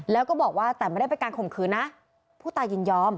แล้วก็บอกว่าแต่ไม่ได้เป็นการข่มขืนนะผู้ตายยินยอม